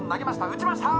「打ちましたー！